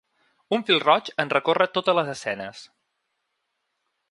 Un fil roig en recorre totes les escenes.